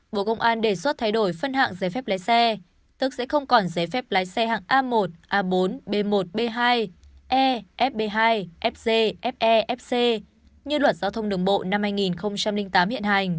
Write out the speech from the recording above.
bộ công an đề xuất thay đổi phân hạng giấy phép lái xe tức sẽ không còn giấy phép lái xe hạng a một a bốn b một b hai e fb hai fc fefc như luật giao thông đường bộ năm hai nghìn tám hiện hành